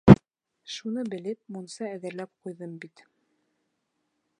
Шуны белеп, мунса әҙерләп ҡуйҙым бит.